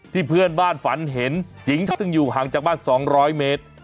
เพื่อนบ้านฝันเห็นหญิงซึ่งอยู่ห่างจากบ้าน๒๐๐เมตร